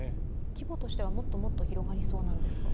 規模としてはもっともっと広がりそうなんですか？